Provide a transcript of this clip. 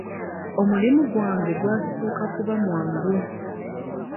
Omulimu gwange gwasooka kuba mwangu.